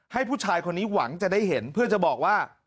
ให้ผู้ชายคนนี้หวังจะได้เห็นเพื่อจะบอกว่า